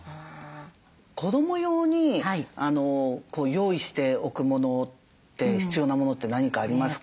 子ども用に用意しておくものって必要なものって何かありますか？